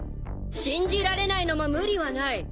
信じられないのも無理はない。